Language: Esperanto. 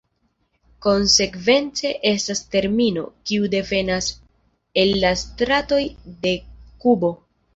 Konsekvence estas termino, kiu devenas el la stratoj de Kubo.